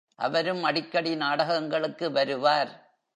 அவரும் அடிக்கடி நாடகங்களுக்கு வருவார்.